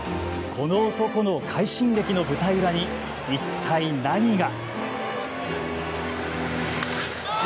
この男の快進撃の舞台裏に一体何が。